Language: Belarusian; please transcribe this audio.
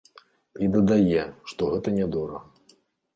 І дадае, што гэта нядорага.